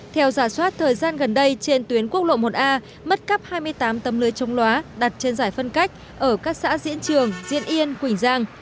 theo giả soát thời gian gần đây trên tuyến quốc lộ một a mất cắp hai mươi tám tấm lưới chống loá đặt trên giải phân cách ở các xã diễn trường diễn yên quỳnh giang